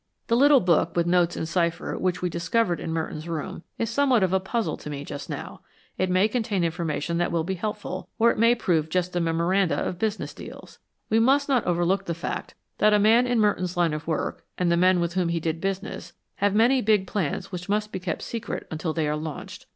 "The little book, with notes in cipher, which we discovered in Merton's room, is somewhat of a puzzle to me just now. It may contain information that will be helpful, or it may prove just a memoranda of business deals. We must not overlook the fact that a man in Merton's line of work, and the men with whom he did business, have many big plans which must be kept secret until they are launched.